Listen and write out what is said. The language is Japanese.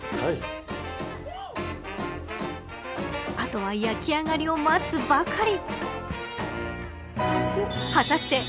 あとは焼き上がりを待つばかり。